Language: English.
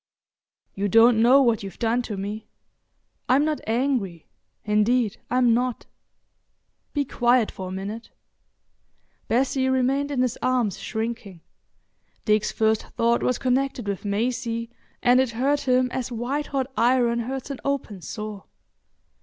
"You don't know what you've done to me. I'm not angry—indeed, I'm not. Be quiet for a minute." Bessie remained in his arms shrinking. Dick's first thought was connected with Maisie, and it hurt him as white hot iron hurts an open sore.